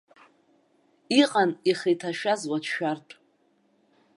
Иҟан ихы иҭашәаз уацәшәартә.